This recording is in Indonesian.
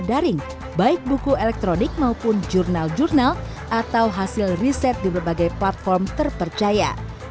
daring baik buku elektronik maupun jurnal jurnal atau hasil riset di berbagai platform terpercaya